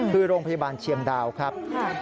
คือโรงพยาบาลเชียงดาวครับ